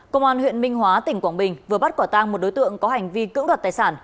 công an huyện minh hóa tỉnh quảng bình vừa bắt quả tang một đối tượng có hành vi cưỡng đoạt tài sản